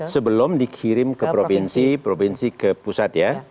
sebelum dikirim ke provinsi provinsi ke pusat ya